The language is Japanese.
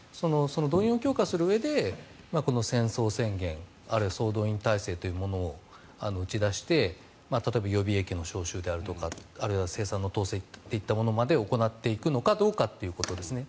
動員を強化するうえで戦争宣言あるいは総動員体制を打ち出して例えば予備役の招集であるとかあるいは生産の統制というものまで行うかどうかですね。